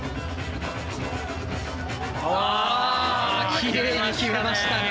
あきれいに決めましたね。